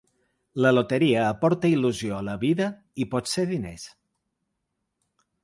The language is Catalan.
La loteria aporta il·lusió a la vida i potser diners.